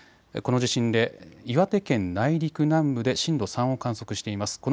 この地震で岩手県内陸南部で震度３を観測しています。